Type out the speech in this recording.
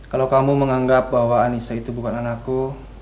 kalau kamu menganggap bahwa anissa itu bukan anakku